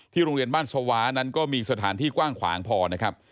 โรงเรียนบ้านสวานั้นก็มีสถานที่กว้างขวางพอนะครับ